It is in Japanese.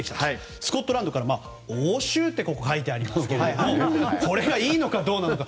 スコットランドから押収と書いてありますがこれがいいのかどうなのか。